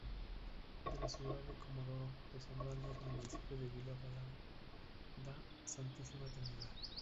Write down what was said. De la ciudad de Comodoro, desmembrado del municipio de Vila Bela da Santísima Trinidad.